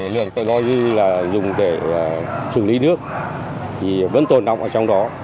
lượng cửa lo dư là dùng để xử lý nước thì vẫn tồn đóng ở trong đó